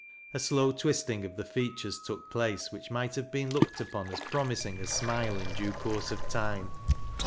A slow twisting of the features took place, which might have been looked upon as promising a smile in due course of time.